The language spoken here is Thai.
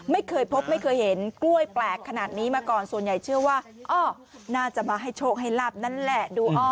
ไม่เคยพบไม่เคยเห็นกล้วยแปลกขนาดนี้มาก่อนส่วนใหญ่เชื่อว่าอ้อน่าจะมาให้โชคให้ลาบนั่นแหละดูอ้อ